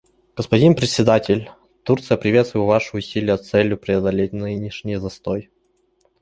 Господин Председатель, Турция приветствует ваши усилия с целью преодолеть нынешний застой.